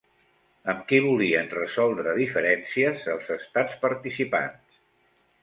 Amb qui volien resoldre diferències els estats participants?